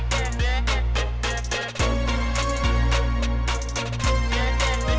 kan akan inisiatif